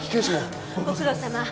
ご苦労さま。